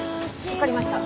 分かりました。